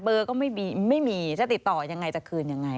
ไม่มีไม่มีจะติดต่อยังไงจะคืนยังไง